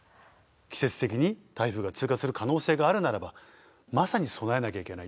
季節的に台風が通過する可能性があるならばまさに備えなきゃいけない。